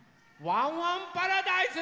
ワンワンパラダーイス！